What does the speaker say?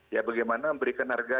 ya bagaimana memberikan harga